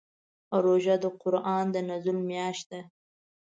روژه د قران د نزول میاشت ده.